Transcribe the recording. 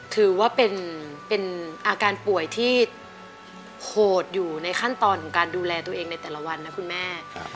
ถือว่าเป็นอาการป่วยที่โหดอยู่ในขั้นตอนของการดูแลตัวเองในแต่ละวันนะคุณแม่